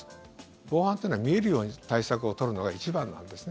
防犯とは見えるように対策を取るのが一番なんですね。